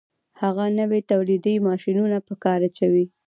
هغه نوي تولیدي ماشینونه په کار اچوي